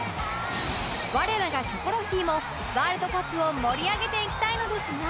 我らが『キョコロヒー』もワールドカップを盛り上げていきたいのですが